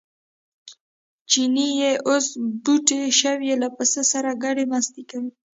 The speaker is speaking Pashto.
چیني چې اوس بوتکی شوی له پسه سره ګډه مستي کوي.